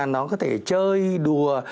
nó có thể chơi đùa